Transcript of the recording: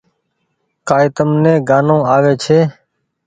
ڪآئي تم ني گآنو آوي ڇي۔